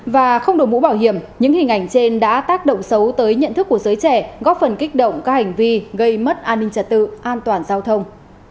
và không đổi mũ bảo hiểm những hình ảnh trên đã tác động xấu tới nhận thức của giới trẻ góp phần kích động các hành vi gây mất an ninh trật tự an toàn giao thông